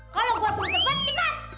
kalau gue suruh cepat cepat